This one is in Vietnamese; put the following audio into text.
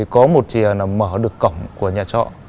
có một chìa mở được cổng của nhà trọ